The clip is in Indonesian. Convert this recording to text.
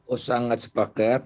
oh sangat sepakat